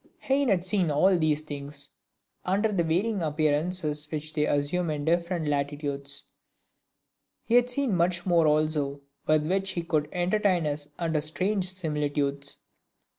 Heine had seen all these things, under the varying appearances which they assume in different latitudes; he had seen much more also with which he would entertain us under strange similitudes.